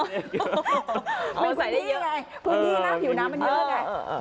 พูดดีหน้าผิวน้ำมันเยอะไง